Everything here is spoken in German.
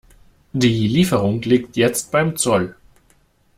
Die Lieferung liegt jetzt beim Zoll.